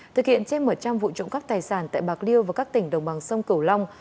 thực hiện trên một trăm linh vụ trộm cắp tài sản tại bạc liêu và các tỉnh đồng bằng sông cửu long